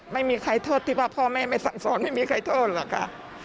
ไม่มีใครโทษที่ว่าพ่อแม่ไม่สั่งสอนไม่มีใครโทษหรอกค่ะ